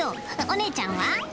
おねえちゃんは？